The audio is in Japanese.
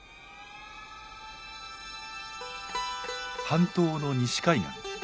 半島の西海岸。